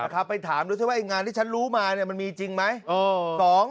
คำถามดูจะว่างานที่ฉันรู้มาเนี่ยมันมีจริงไหม